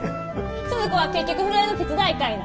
スズ子は結局風呂屋の手伝いかいな？